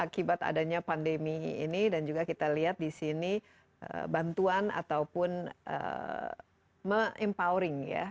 akibat adanya pandemi ini dan juga kita lihat di sini bantuan ataupun meng empowering ya